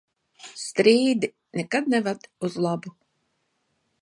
Strīdi nekad neved uz labu.